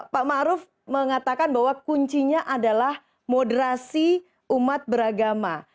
pak nawuf mengatakan bahwa kuncinya adalah moderasi umat beragama